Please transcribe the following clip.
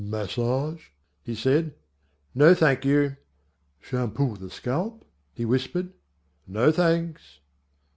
"Massage?" he said. "No thank you." "Shampoo the scalp?" he whispered. "No thanks."